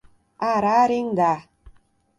Ararendá